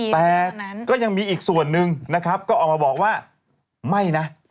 แต่ก็ยังมีอีกส่วนหนึ่งนะครับก็ออกมาบอกว่าไม่นะ